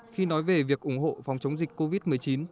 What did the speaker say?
khi nói về việc ủng hộ phòng chống dịch covid một mươi chín